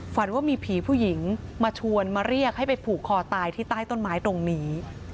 ฝันว่ามีผีผู้หญิงมาชวนมาเรียกให้ไปผูกคอตายที่ใต้ต้นไม้ตรงนี้